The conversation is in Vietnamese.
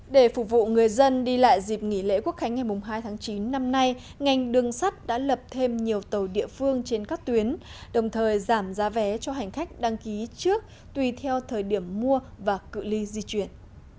để phục vụ người dân đi lại dịp nghỉ lễ quốc khánh ngày hai tháng chín năm nay ngành đường sắt đã lập thêm nhiều tàu địa phương trên các tuyến đồng thời giảm giá vé cho hành khách đăng ký trước tùy theo thời điểm mua và cự li di chuyển